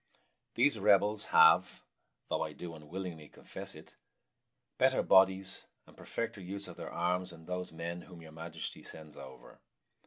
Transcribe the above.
"These rebels ... have (though I do unwillingly confess it) better bodies and perfecter use of their arms than those men whom your Majesty sends over."